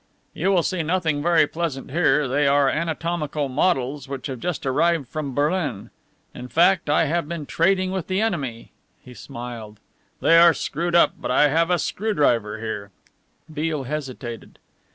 "You will see nothing very pleasant here, they are anatomical models which have just arrived from Berlin. In fact, I have been trading with the enemy," he smiled. "They are screwed up, but I have a screwdriver here." Beale hesitated.